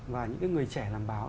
và những cái người trẻ làm báo